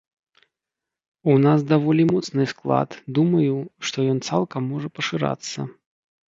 У нас даволі моцны склад, думаю, што ён цалкам можа пашырацца.